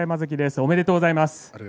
おめでとうございます。